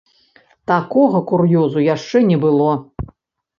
Такога кур'ёзу яшчэ не было.